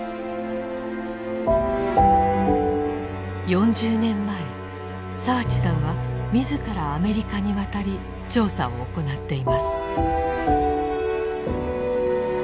４０年前澤地さんは自らアメリカに渡り調査を行っています。